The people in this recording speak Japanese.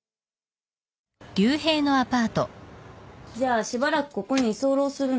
じゃあしばらくここに居候するんだ？